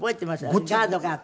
ガードがあって。